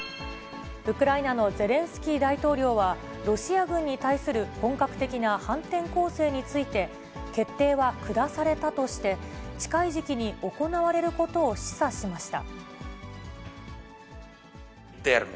ウクライナのゼレンスキー大統領は、ロシア軍に対する本格的な反転攻勢について、決定は下されたとして、近い時期に行われることを示唆しました。